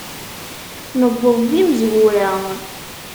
Newweḍ d imezwura.